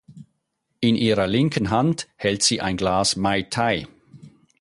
In ihrer linken Hand hält sie ein Glas Mai Tai.